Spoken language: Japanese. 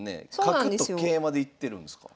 角と桂馬でいってるんですか？